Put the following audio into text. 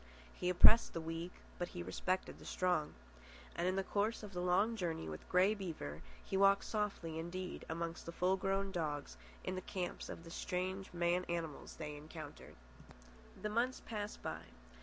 He oppressed the weak, but he respected the strong. And in the course of the long journey with Grey Beaver he walked softly indeed amongst the full grown dogs in the camps of the strange man animals they encountered. The months passed by.